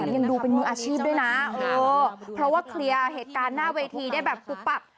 ยังดูเป็นมืออาชีพด้วยนะเพราะว่าเคลียร์เหตุการณ์หน้าเวทีได้แบบปุ๊บปับ